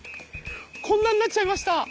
こんなになっちゃいました。